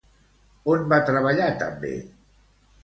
On va treballar també?